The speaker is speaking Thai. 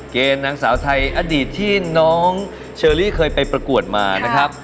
นางสาวไทยอดีตที่น้องเชอรี่เคยไปประกวดมานะครับ